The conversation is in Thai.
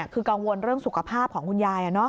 คือกังวลเรื่องสุขภาพของคุณยาย